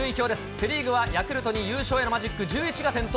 セ・リーグはヤクルトに優勝へのマジック１１が点灯。